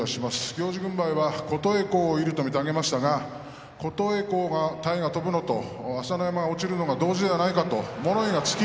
行司軍配は琴恵光有利と見て上げましたが琴恵光が体が飛ぶのと朝乃山は落ちるのが同時ではないかと物言いがつき